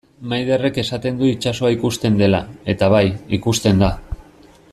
Maiderrek esaten du itsasoa ikusten dela, eta bai, ikusten da.